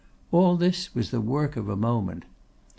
All this was the work of a moment.